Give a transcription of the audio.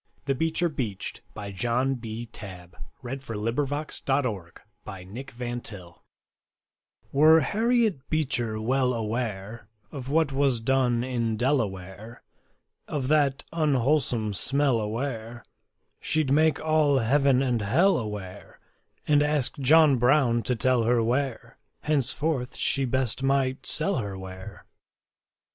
THE BEECHER BEACHED BY JOHN B. TABB Were Harriet Beecher well aware Of what was done in Delaware, Of that unwholesome smell aware, She'd make all heaven and hell aware, And ask John Brown to tell her where Henceforth she best might sell her ware.